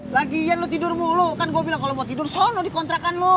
lagian lo tidur mulu kan gue bilang kalau mau tidur sono di kontrakan lo